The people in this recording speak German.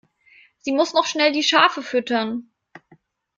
Sie muss noch schnell die Schafe füttern.